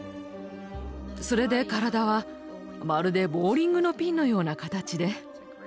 それで体はまるでボウリングのピンのような形で。